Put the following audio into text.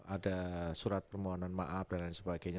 ada surat permohonan maaf dan lain sebagainya